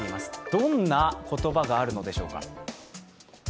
どんな言葉があるのでしょうか。